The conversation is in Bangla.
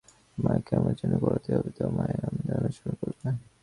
মায়াকে আমাদের জয় করতে হবে, তা হলে মায়াই আমাদের অনুসরণ করবে।